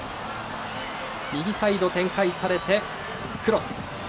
右サイド展開されて、クロス。